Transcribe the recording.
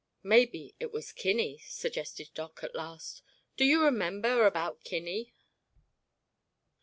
"Maybe it was Kinney," suggested Doc, at last. "Do you remember about Kinney?"